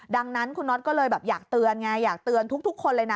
ดังนั้นคุณน็อตก็เลยอยากเตือนทุกคนเลยนะ